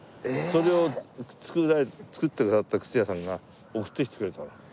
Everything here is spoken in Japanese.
それを作ってくださった靴屋さんが送ってきてくれたの。